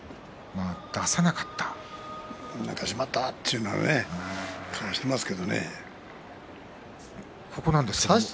ああ、しまったという顔をしていますけどね。